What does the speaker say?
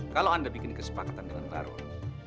kalau anda bikin kesepakatan dengan baru